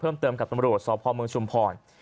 เพิ่มเติมกับตำรวจสพเมืองชุมพร